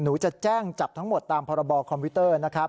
หนูจะแจ้งจับทั้งหมดตามพาระบอลคอมพิวเตอร์